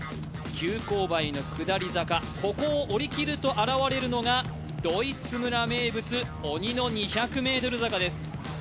急勾配の下り坂、ここを下りると現れるのがドイツ村名物鬼の２００ｍ坂です。